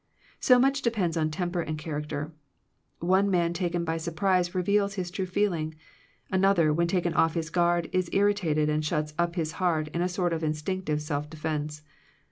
So much depends on temper and character. One man taken by surprise reveals his true feeling; another, when taken off his guard, is irritated, and shuts up his heart in a sort of instinctive self defence.